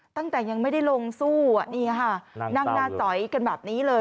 ตั้งแต่ยังไม่ได้ลงสู้นี่ค่ะนั่งหน้าจอยกันแบบนี้เลย